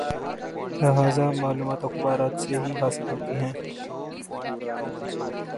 لہذا معلومات اخبارات سے ہی حاصل ہوتی ہیں۔